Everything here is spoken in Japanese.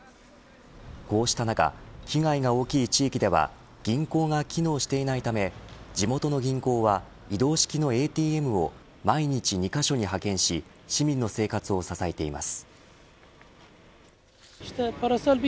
こうした中被害が大きい地域では銀行が機能していないため地元の銀行は移動式のＡＴＭを毎日２カ所に派遣し市民の生活を支えています。